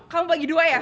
kamu bagi dua ya